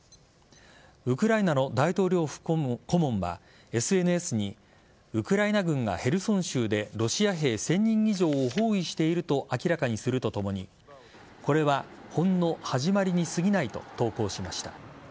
ウクライナの大統領府顧問はＳＮＳにウクライナ軍がヘルソン州でロシア兵１０００人以上を包囲していると明らかにするとともにこれはほんの始まりに過ぎないと投稿しました。